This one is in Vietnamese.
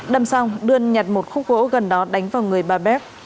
đâm xong đươn nhặt một khúc gỗ gần đó đánh vào người bà bac